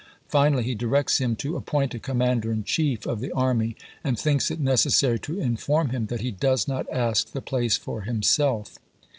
Finally, he directs him to appoint a commander in chief of the army, and thinks it necessary to inform him that he does not ask the place for himself.